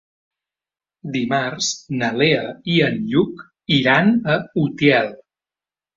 Dimarts na Lea i en Lluc iran a Utiel.